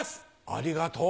ありがとう。